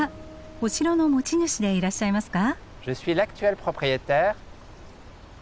お城の持ち主でいらっしゃいますか？